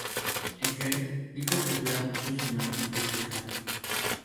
Eckert dijo que cuida mucho su imagen pública.